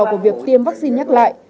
của việc tiêm vaccine nhắc lại